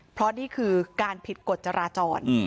เพราะนี่คือการผิดกฎจราจร